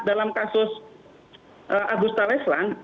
dalam kasus agusta wiesland